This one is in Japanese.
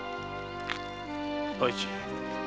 太一。